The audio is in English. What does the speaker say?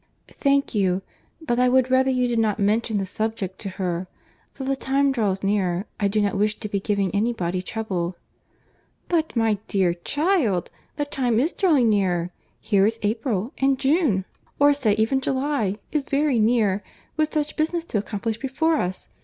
"Thank you, but I would rather you did not mention the subject to her; till the time draws nearer, I do not wish to be giving any body trouble." "But, my dear child, the time is drawing near; here is April, and June, or say even July, is very near, with such business to accomplish before us.